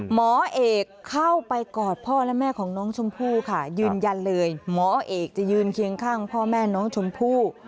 หมอเอกเข้าไปกอดพ่อและแม่ของน้องชมพู่ค่ะยืนยันเลยหมอเอกจะยืนเคียงข้างพ่อแม่น้องชมพู่